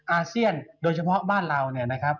อาเซียนโดยเฉพาะบ้านเราเนี่ยนะครับ